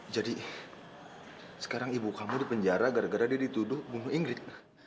jadi sekarang ibu kamu dipenjara gara gara dia dituduh bunuh ingrid